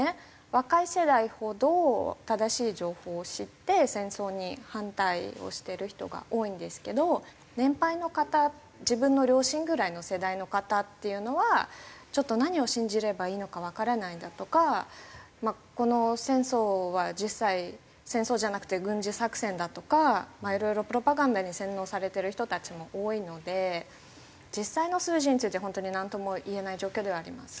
若い世代ほど正しい情報を知って戦争に反対をしてる人が多いんですけど年配の方自分の両親ぐらいの世代の方っていうのはちょっと何を信じればいいのかわからないだとかこの戦争は実際戦争じゃなくて軍事作戦だとかいろいろプロパガンダに洗脳されてる人たちも多いので実際の数字については本当になんともいえない状況ではあります。